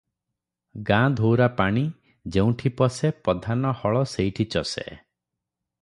"ଗାଁ-ଧୋଉରାପାଣି ଯେଉଁଠି ପଶେ, ପଧାନ ହଳ ସେଇଠି ଚଷେ ।"